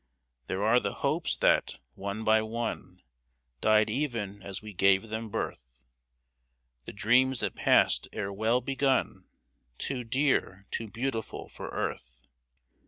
There are the hopes that, one by one, Died even as we gave them birth ; The dreams that passed ere well begun, Too dear, too beautiful for earth.